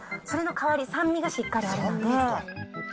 それの代わり、酸味がしっかりあるので。